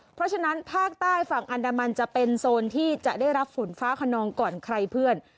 เพราะฉะนั้นภาคใต้ฝั่งอันดามันจะเป็นโซนที่จะได้รับฝนฟ้าขนองก่อนใครเพื่อน